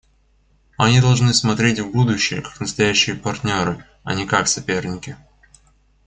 Они должны смотреть в будущее как настоящие партнеры, а не как соперники.